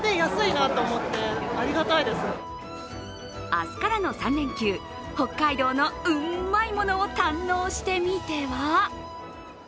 明日からの３連休、北海道のうんまいものを堪能してみては？